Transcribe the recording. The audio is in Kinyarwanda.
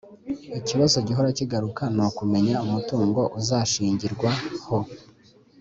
lkibazo gihora kigaruka ni kumenya umutungo uzashingirwaho